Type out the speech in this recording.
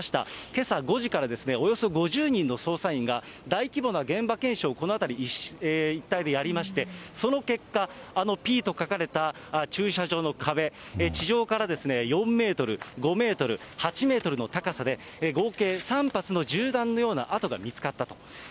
けさ５時から、およそ５０人の捜査員が、大規模な現場検証をこの辺り一帯でやりまして、その結果、あのＰと書かれた、駐車場の壁、地上から４メートル、５メートル、８メートルの高さで合計３発の銃弾のような跡が見つかったと。